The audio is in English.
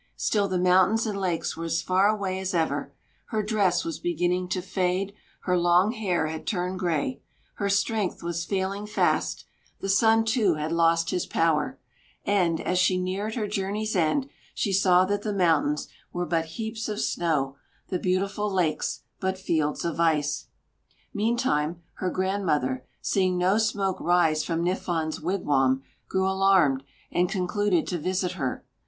Still the mountains and lakes were as far away as ever; her dress was beginning to fade; her long hair had turned gray; her strength was failing fast; the sun, too, had lost his power; and, as she neared her journey's end, she saw that the mountains were but heaps of snow, the beautiful lakes but fields of ice. Meantime her grandmother, seeing no smoke rise from Niffon's wigwam, grew alarmed and concluded to visit her.